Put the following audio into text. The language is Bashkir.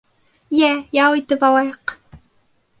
Йә, ял итеп алайыҡ.